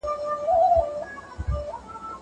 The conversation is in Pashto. دا شګه له هغه پاکه ده!